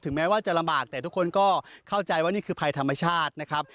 แม้ว่าจะลำบากแต่ทุกคนก็เข้าใจว่านี่คือภัยธรรมชาตินะครับ